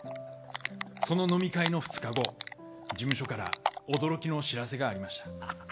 その飲み会の２日後事務所から驚きの知らせがありました。